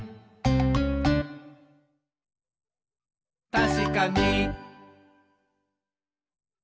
「たしかに！」